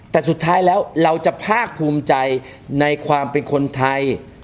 แต่สุดท้ายแล้วเราจะภาคภูมิใจในความเป็นคนไทย